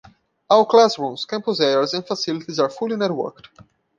All classrooms, campus areas and facilities are fully networked.